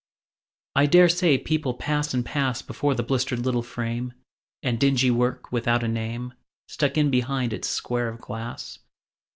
I dare say people pass and pass Before the blistered little frame, And dingy work without a name Stuck in behind its square of glass.